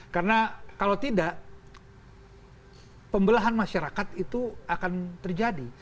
karena kalau tidak pembelahan masyarakat itu akan terjadi